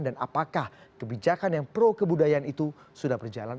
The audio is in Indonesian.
dan apakah kebijakan yang pro kebudayaan itu sudah berjalan